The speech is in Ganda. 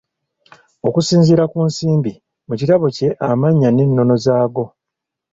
Okusinziira ku Nsimbi, mu kitabo kye amannya n'ennono zaago.